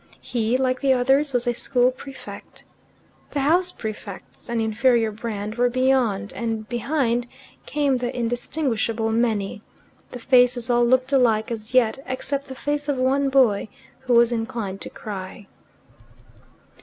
He, like the others, was a school prefect. The house prefects, an inferior brand, were beyond, and behind came the indistinguishable many. The faces all looked alike as yet except the face of one boy, who was inclined to cry.